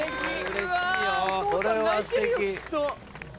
うわぁお父さん泣いてるよきっと。